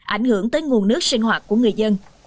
ảnh hưởng tới nguồn nước sinh hoạt của người dân